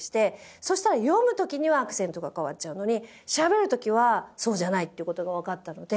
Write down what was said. そしたら読む時にはアクセントが変わっちゃうのにしゃべる時はそうじゃないって事がわかったので。